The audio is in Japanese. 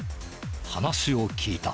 話を聞いた。